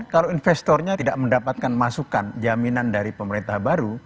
kalau investornya tidak mendapatkan masukan jaminan dari pemerintah baru